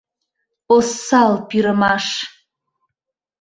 Осал пӱрымаш!